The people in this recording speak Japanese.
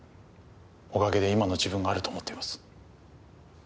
おかげで今の自分があると思っています。